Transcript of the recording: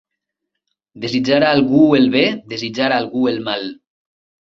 Desitjar a algú el bé, desitjar a algú el mal